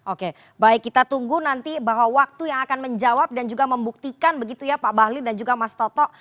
oke baik kita tunggu nanti bahwa waktu yang akan menjawab dan juga membuktikan begitu ya pak bahlil dan juga mas toto